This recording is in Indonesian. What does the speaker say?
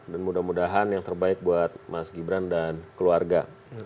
dan mudah mudahan yang terbaik buat mas gibran dan keluarga